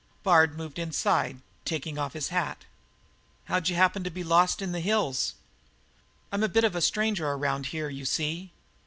Bard moved inside, taking off his hat. "How'd you happen to be lost in the hills?" "I'm a bit of a stranger around here, you see."